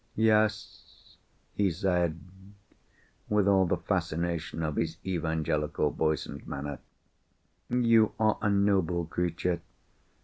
"Yes," he said, with all the fascination of his evangelical voice and manner, "you are a noble creature!